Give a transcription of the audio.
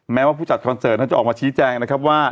แม้ว่าผู้จัดคอนเสิร์ตนั้นจะออกมาชี้แจงนะครับว่า